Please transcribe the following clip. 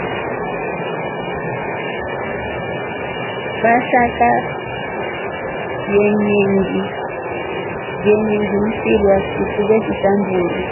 Vashaka vyenyengi mfiri wa sukuku veshinja mburu.